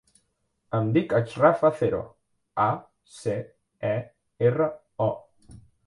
Em dic Achraf Acero: a, ce, e, erra, o.